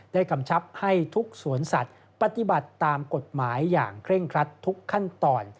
กำชับให้ทุกสวนสัตว์ปฏิบัติตามกฎหมายอย่างเคร่งครัดทุกขั้นตอน